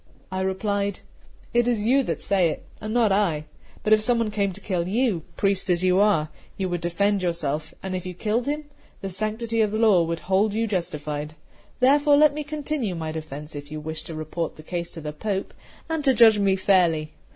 I replied: "It is you that say it, and not I; but if some one came to kill you, priest as you are, you would defend yourself, and if you killed him, the sanctity of law would hold you justified. Therefore let me continue my defence, if you wish to report the case to the Pope, and to judge me fairly.